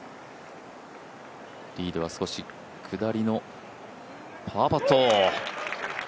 リードは少し下りのパーパット。